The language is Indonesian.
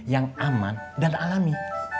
yang aman dan alami